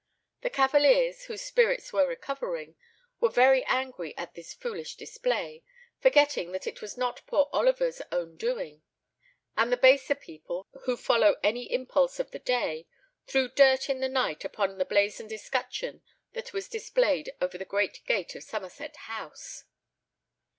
The Cavaliers, whose spirits were recovering, were very angry at this foolish display, forgetting that it was not poor Oliver's own doing; and the baser people, who follow any impulse of the day, threw dirt in the night upon the blazoned escutcheon that was displayed over the great gate of Somerset House.